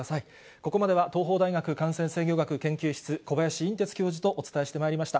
ここまでは東邦大感染制御学研究室、小林寅てつ教授とお伝えしてまいりました。